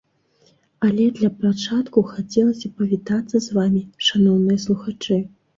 Але для пачатку хацелася б павітацца з вамі, шаноўныя слухачы!